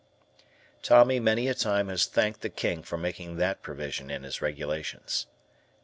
Tommy many a time has thanked the King for making that provision in his regulations.